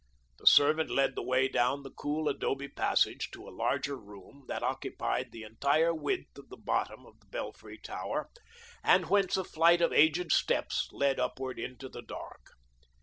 The servant led the way down the cool adobe passage to a larger room that occupied the entire width of the bottom of the belfry tower, and whence a flight of aged steps led upward into the dark.